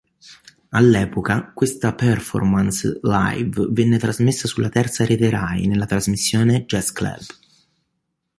All'epoca, questa performance live venne trasmessa sulla Terza Rete Rai nella trasmissione Jazz Club.